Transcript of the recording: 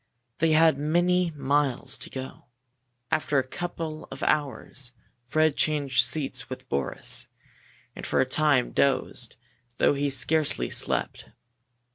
They had many miles to go. After a couple of hours Fred changed seats with Boris, and for a time dozed, though he scarcely slept.